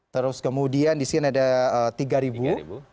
terus kemudian disini ada tiga ribu